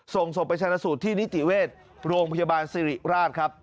ส่งศพไปชนะสูตรที่นิติเวชโรงพยาบาลสิริราชครับ